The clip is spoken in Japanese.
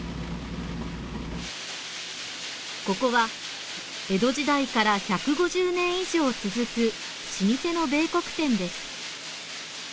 ここは江戸時代から１５０年以上続く老舗の米穀店です。